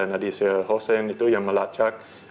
nadisha hossein itu yang melacak